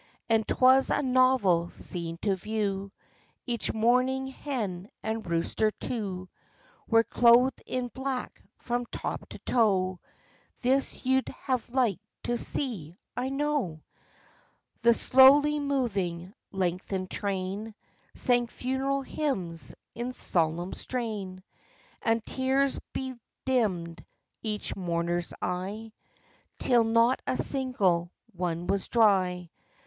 And 'twas a novel scene to view: Each mourning hen and rooster too Were clothed in black from top to toe; This you'd have liked to see, I know. The slowly moving, lengthened train Sang funeral hymns in solemn strain, And tears bedimmed each mourner's eye, Till not a single one was dry.